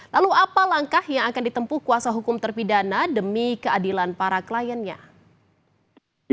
lalu apa langkah yang akan ditempuh kuasa hukum terpidana demi keadilan para kliennya